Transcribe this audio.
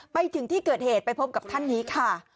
ไปถึงที่เกิดเหตุไปพบกับท่านนี้ค่ะ